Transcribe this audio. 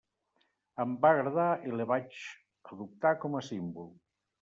Em va agradar i la vaig adoptar com a símbol.